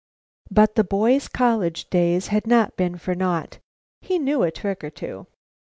But the boy's college days had not been for naught; he knew a trick or two.